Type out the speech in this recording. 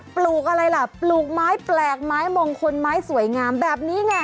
ปลูกอะไรล่ะปลูกไม้แปลกไม้มงคลไม้สวยงามแบบนี้ไง